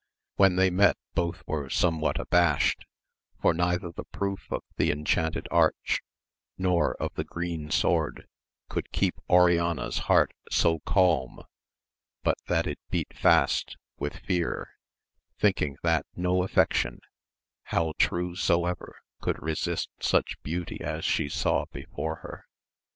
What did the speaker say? When they met both were somewhat abashed, for neither the proof of the Enchanted Arch, nor of the Green Sword, could keep Oriana's heart so calm, but that it beat fast with 62 AMADIS OF GAUL fear, thinking that no affection, how true soever, could resist such beauty as she saw before her.